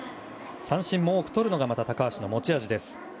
三振も多くとるのが高橋の持ち味です。